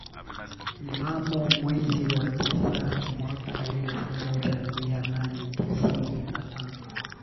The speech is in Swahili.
Mnamo mwezi wa tisa mwaka elfu moja mia nane tisini na tano